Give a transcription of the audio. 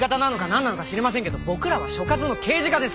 んなのか知りませんけど僕らは所轄の刑事課です！